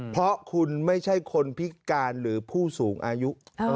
เพราะคุณไม่ใช่คนพิการหรือผู้สูงอายุ